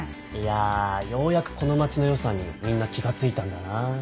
いやようやくこの町のよさにみんな気がついたんだな。